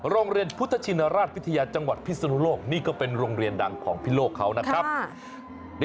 โรงเรียนพุทธชินราชวิทยาจังหวัดพิศนุโลกนี่ก็เป็นโรงเรียนดังของพิโลกเขานะครับ